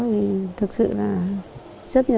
thì thực sự là rất là nhiều